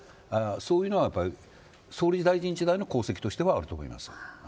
そういうのは総理大臣中の功績としてはあると思います。